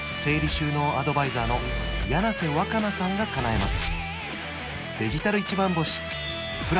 収納アドバイザーの柳瀬わかなさんがかなえます